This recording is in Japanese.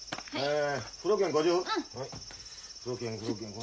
え？